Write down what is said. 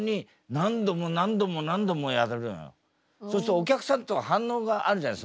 そうするとお客さんとか反応があるじゃない？